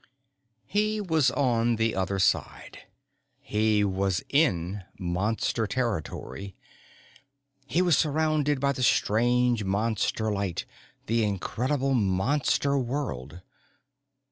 V He was on the other side. He was in Monster territory. He was surrounded by the strange Monster light, the incredible Monster world.